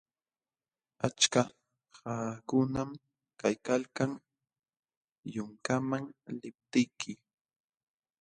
Achka qaqakunam kaykalkan yunkaman liptiyki.